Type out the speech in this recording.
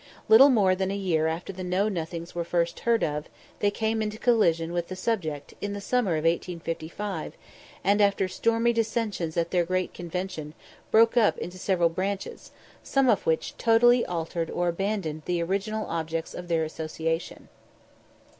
Little more than a year after the Know nothings were first heard of, they came into collision with the subject, in the summer of 1855, and, after stormy dissensions at their great convention, broke up into several branches, some of which totally altered or abandoned the original objects of their association.